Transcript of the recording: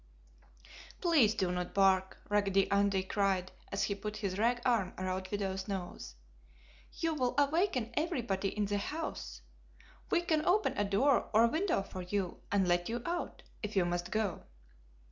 "Please do not bark!" Raggedy Andy cried as he put his rag arm around Fido's nose. "You will awaken everybody in the house. We can open a door or a window for you and let you out, if you must go!"